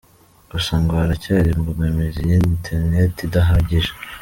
Gusa ngo haracyari imbogamizi ya interineti idahagije.